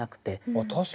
あっ確かに。